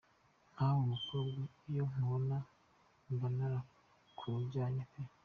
Nkawe mukobwa iyo nkubona mbanarakujyanye pe.